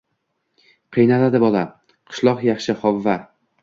Qiynaldi bala. Qishloq yaxshi. Hovva.